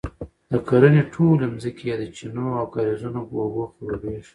د کرنې ټولې ځمکې یې د چینو او کاریزونو په اوبو خړوبیږي،